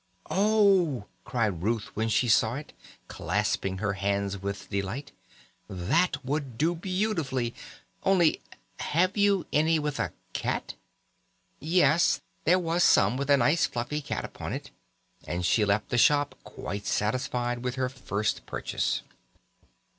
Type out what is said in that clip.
"Oh!" cried Ruth when she saw it, clasping her hands with delight. "That would do beautifully. Only have you any with a cat?" Yes, there was some with a nice fluffy cat upon it, and she left the shop quite satisfied with her first purchase.